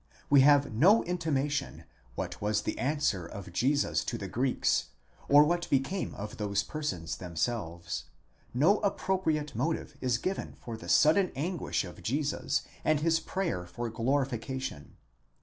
We have no intimation what was the answer of Jesus to the Greeks, or what became of those per sons themselves ; no appropriate motive is given for the sudden anguish of Jesus and his prayer for glorification.